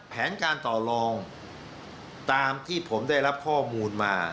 แผนการต่อลองตามที่ผมได้รับข้อมูลมา